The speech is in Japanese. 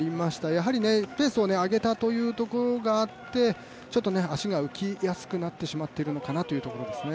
やはりペースを上げたというところがあって、足が浮きやすくなってしまっているのかなというところですね。